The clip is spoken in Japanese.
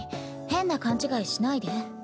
変な勘違いしないで。